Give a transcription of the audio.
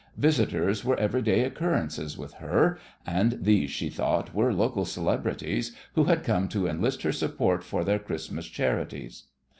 Visitors were every day occurrences with her, and these, she thought, were local celebrities, who had come to enlist her support for their Christmas charities.